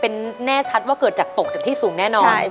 แน่ชัดว่าเกิดจากตกที่สูงแน่นอน